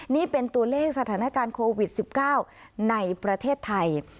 นี่เป็นตัวเลขสถานการณ์โควิด๑๙ในประเทศไทย